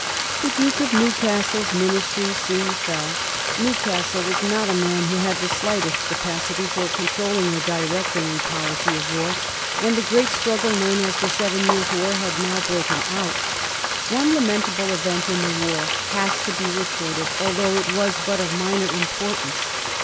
The Duke of Newcastle's Ministry soon fell. New castle was not a man who had the slightest capacity for controlling or directing a policy of war; and the great struggle known as the Seven Years' War had nowlbroken out. One lamentable event in the war has to be record ed, although it was but of minor importance.